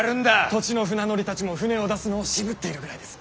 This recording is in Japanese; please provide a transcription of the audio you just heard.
土地の船乗りたちも舟を出すのを渋っているぐらいです。